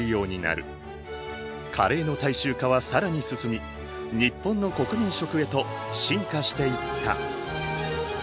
カレーの大衆化は更に進み日本の国民食へと進化していった。